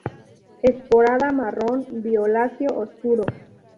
Esporada marrón violáceo oscuro.